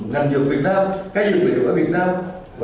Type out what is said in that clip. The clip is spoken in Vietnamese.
ngành dược việt nam các dược liệu ở việt nam